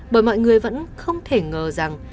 bởi mọi người vẫn không thể ngờ rằng